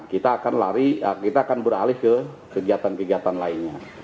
kita akan lari kita akan beralih ke kegiatan kegiatan lainnya